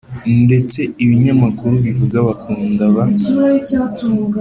ndetse ibinyamakuru bivuga bakundaba